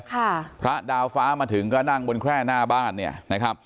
พระดาวฟ้ามาถึงก็นั่งบนแคร่หน้าบ้านเนี่ยนะครับ